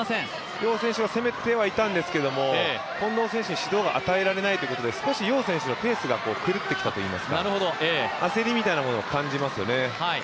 楊選手は攻めてはいたんですけど、近藤選手に指導が与えられないので少し楊選手のペースが狂ってきたといいますか、焦りみたいなものを感じますよね。